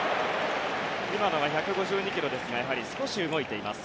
今のが１５２キロですが少し動いています。